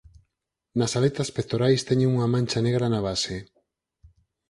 Nas aletas pectorais teñen unha mancha negra na base.